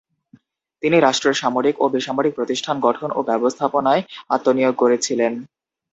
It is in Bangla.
তিনি রাষ্ট্রের সামরিক ও বেসামরিক প্রতিষ্ঠান গঠন ও ব্যবস্থাপনায় আত্মনিয়োগ করেছিলেন।